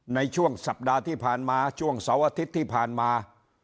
ในช่วงสัปดาห์ที่ผ่านมาช่วงเสาร์อาทิตย์ที่ผ่านมา